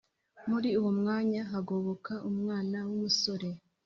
muri uwo mwanya hagoboka umwana w'umusore